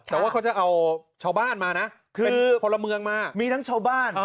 แต่ว่าเขาจะเอาชาวบ้านมานะเป็นคนละเมืองมา